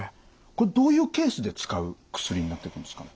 これどういうケースで使う薬になってくるんですか？